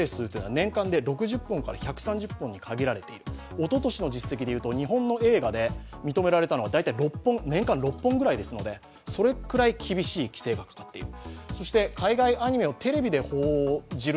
おととしの実績でいうと日本の映画で認められたのは年間６本ぐらいですので、それぐらい厳しい規制がかかっている。